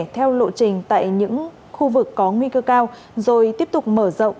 theo lộ trình tại những khu vực có nguy cơ cao rồi tiếp tục mở rộng ra những khu vực khác